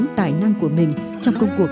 của mình trong công cuộc xây dựng và bảo vệ tổ quốc